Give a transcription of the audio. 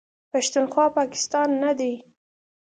پښتونخوا، پاکستان نه دی.